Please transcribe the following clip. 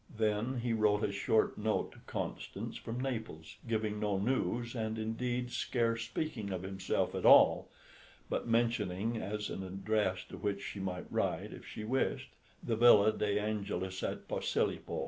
Then he wrote a short note to Constance from Naples, giving no news, and indeed, scarce speaking of himself at all, but mentioning as an address to which she might write if she wished, the Villa de Angelis at Posilipo.